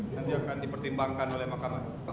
nanti akan dipertimbangkan oleh mahkamah